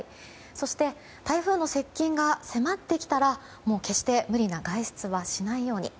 そして台風の接近が迫ってきたら決して無理な外出はしないように。